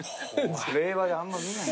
令和であんま見ない。